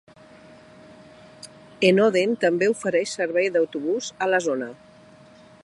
Enoden també ofereix servei d'autobús a la zona.